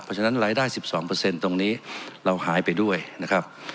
เพราะฉะนั้นรายได้๑๒ตรงนี้เราหายไปด้วยนะครับ